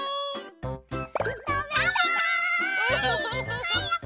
たべたい！